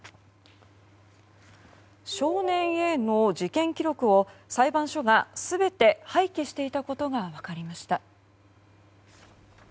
少年Ａの事件記録を裁判所が全て廃棄していたことが分かりました。